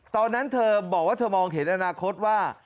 ตอนนั้นเธอบอกว่าเธอมองเห็นอนาคตว่า